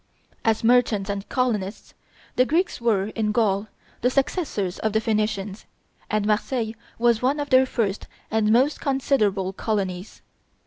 As merchants and colonists, the Greeks were, in Gaul, the successors of the Phoenicians, and Marseilles was one of their first and most considerable colonies.